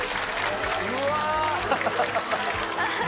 うわ！